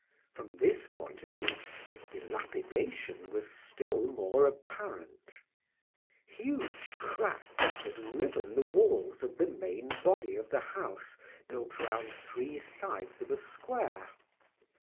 From this point of view, the dilapidation was still more apparent. Huge cracks had riven the walls of the main body of the house built round three sides of a square.